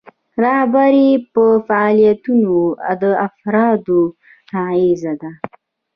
رهبري په فعالیتونو د افرادو اغیزه ده.